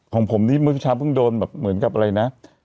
ของผมนี่เมื่อเช้าเพิ่งโดนแบบเหมือนกับอะไรนะ